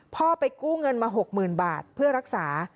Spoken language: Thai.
พ่อไปกู้เงินมาหกหมื่นบาทเพื่อรักษา